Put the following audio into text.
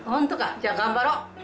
じゃあ頑張ろう。